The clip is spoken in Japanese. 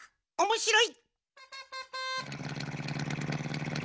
おもしろい！